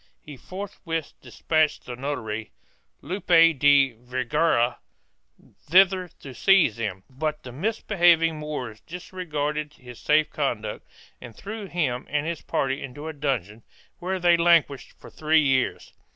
He forthwith despatched the notary, Lope de Vergara, thither to seize them, but the misbelieving Moors disregarded his safe conduct and threw him and his party into a dungeon where they languished for three years.